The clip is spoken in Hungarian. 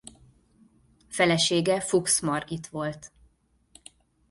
Felesége Fuchs Margit volt.